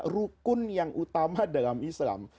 rukun yang utama dalam islam